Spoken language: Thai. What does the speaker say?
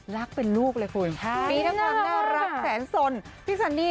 รักเป็นลูกเลยคุณค่ะพี่แถมคนน่ารักแสนสนพี่สันนี่เนี่ย